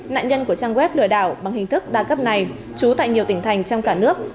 nạn nhân của trang web lừa đảo bằng hình thức đa cấp này trú tại nhiều tỉnh thành trong cả nước